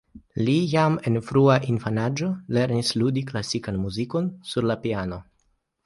Li jam en frua infanaĝo lernis ludi klasikan muzikon sur la piano.